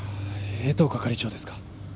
江藤係長ですか？